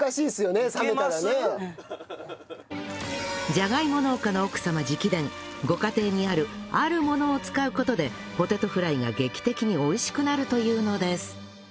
じゃがいも農家の奥様直伝ご家庭にあるあるものを使う事でポテトフライが劇的に美味しくなるというのです